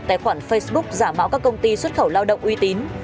tài khoản facebook giả mạo các công ty xuất khẩu lao động uy tín